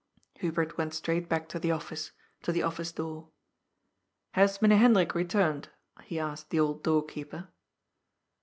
Hubert went straight back to the Office, to the Office door. " Has Mynheer Hendrik returned ?" he asked the old door keeper.